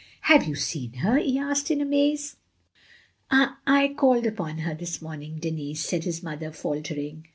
" Have you seen her? " he asked in amaze. "I — I called upon her this morning, Denis," said his mother, faltering.